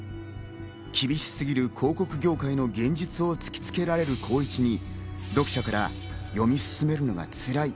厳しすぎる広告業界の現実を突きつけられる光一に読者から読み進めるのが辛い。